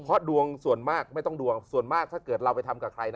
เพราะดวงส่วนมากไม่ต้องดวงส่วนมากถ้าเกิดเราไปทำกับใครนะ